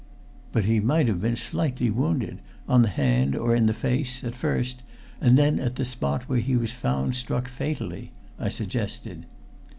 "But he might have been slightly wounded on the hand, or in the face at first, and then at the spot where he was found struck fatally," I suggested.